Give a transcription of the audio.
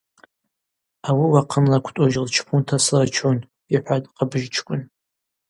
Ауи уахъынла квтӏужь лчпунта слырчун, – йхӏватӏ Хъабыжьчкӏвын.